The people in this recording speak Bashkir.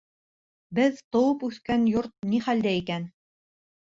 Беҙ тыуып-үҫкән йорт ни хәлдә икән?